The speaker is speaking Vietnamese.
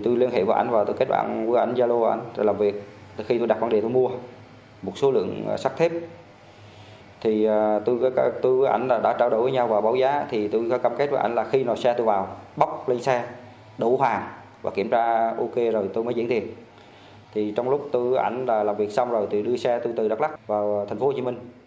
trong lúc ông hùng làm việc xong rồi tôi đưa xe từ đắk lắk vào thành phố hồ chí minh